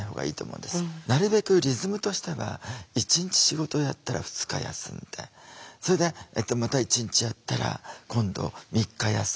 なるべくリズムとしては１日仕事をやったら２日休んでそれでまた１日あったら今度３日休んでって。